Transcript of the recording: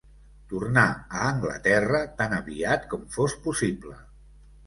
Tornar a Anglaterra tan aviat com fos possible